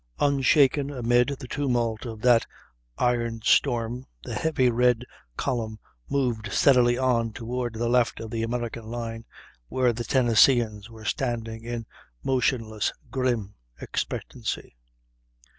Unshaken amid the tumult of that iron storm the heavy red column moved steadily on toward the left of the American line, where the Tennesseeans were standing in motionless, grim expectancy.